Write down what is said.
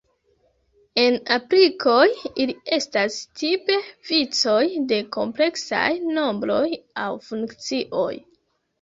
En aplikoj, ili estas tipe vicoj de kompleksaj nombroj aŭ funkcioj.